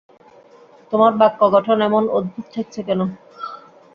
তোমার বাক্য গঠন এমন অদ্ভুত ঠেকছে কেন?